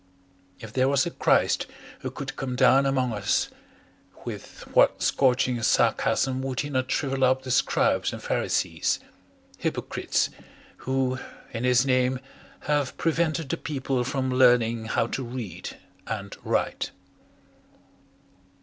If there was a Christ who could come down among us, with what scorching sarcasm would he not shrivel up the Scribes and Pharisees, hypocrites, who in His Name have prevented the People from learning how to read and write.